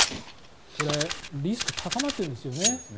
これリスク高まってるんですよね。